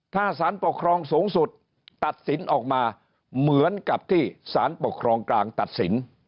ถ้าสารปกครองสูงสุดตัดสินออกมาเหมือนกับที่สารปกครองกลางตัดสิน